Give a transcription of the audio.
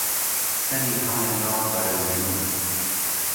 سهری ههڵێنا بەره و ژوور